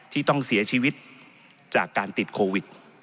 ที่ต้องเสียชีวิตจากการติดโควิด